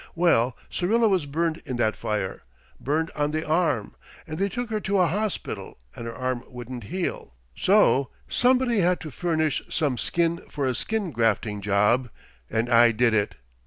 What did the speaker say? Well, Syrilla was burned in that fire burned on the arm and they took her to a hospital and her arm wouldn't heal. So somebody had to furnish some skin for a skin grafting job, and I did it.